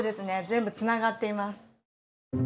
全部つながっています。